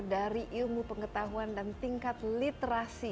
dari ilmu pengetahuan dan tingkat literasi